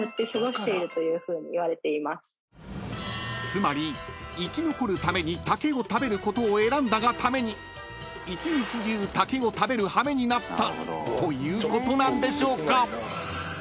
［つまり生き残るために竹を食べることを選んだがために一日中竹を食べる羽目になったということなんでしょうか？］